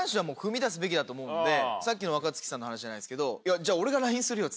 だと思うんでさっきの若槻さんの話じゃないですけど。